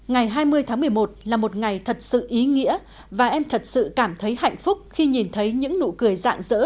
ngày hai mươi tháng một mươi một là một ngày thật sự ý nghĩa và em thật sự cảm thấy hạnh phúc khi nhìn thấy những nụ cười dạng dỡ